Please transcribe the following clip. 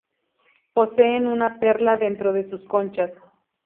Poseen una perla dentro de sus conchas.